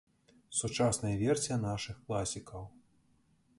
Сучасная версія нашых класікаў.